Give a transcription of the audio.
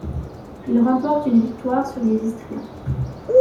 Il remporte une victoire sur les Istriens.